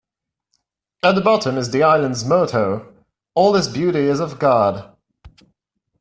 At the bottom is the island's motto "All this beauty is of God".